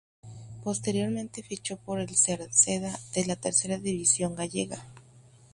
Posteriormente fichó por el Cerceda de la Tercera División gallega.